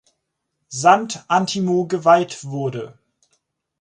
Sant’Antimo geweiht wurde.